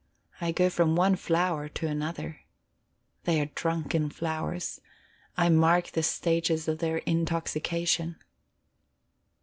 I go from one flower to another. They are drunken flowers. I mark the stages of their intoxication.